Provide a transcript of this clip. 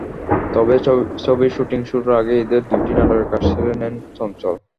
তবে ছবির শুটিং শুরুর আগে ঈদের দুটি নাটকের কাজ সেরে নেন চঞ্চল।